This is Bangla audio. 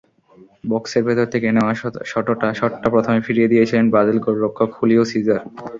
বক্সের ভেতর থেকে নেওয়া শটটা প্রথমে ফিরিয়ে দিয়েছিলেন ব্রাজিল গোলরক্ষক হুলিও সিজার।